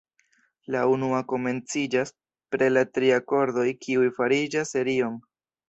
La unua komenciĝas per la tri akordoj kiuj fariĝas serion.